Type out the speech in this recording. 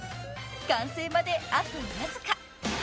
［完成まであとわずか］